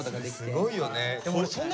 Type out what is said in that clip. すごいよね。